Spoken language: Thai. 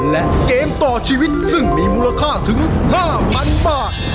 และเกมต่อชีวิตซึ่งมีมูลค่าถึง๕๐๐๐บาท